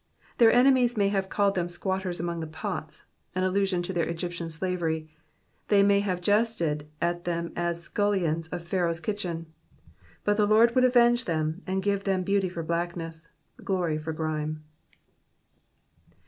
Their enemies may have called them squatters among the pots — in allusion to their Egyptian slavery ; they may have jested at them as scullions of Pharaoh *s kitchen ; but the Lord would avenge them and give them beauty for blackness, glory for grime.